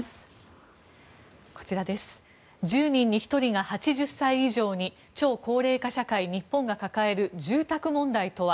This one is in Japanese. １０人に１人が８０歳以上に超高齢化社会、日本が抱える住宅問題とは。